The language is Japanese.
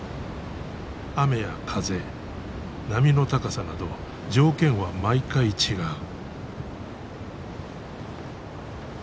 雨や風波の高さなど条件は毎回違う。